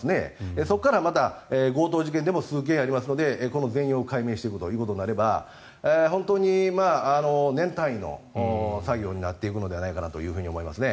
そこからまた強盗事件でも数件やりますのでこの全容解明していくということになれば本当に年単位の作業になっていくのではないかなと思いますね。